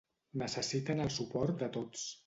Necessiten el suport de tots.